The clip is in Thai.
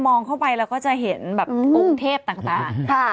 แต่มองเข้าไปเราก็จะเห็นแบบกรุงเทพฯต่าง